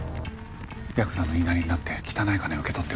ヤクザの言いなりになって汚い金を受け取って。